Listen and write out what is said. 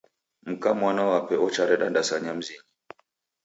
Mka mwana wape ochareda ndasanya mzinyi.